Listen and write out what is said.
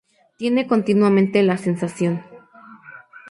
tiene continuamente la sensación